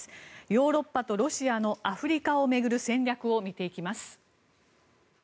ヨーロッパとロシアのアフリカを巡る戦略を見ていきます。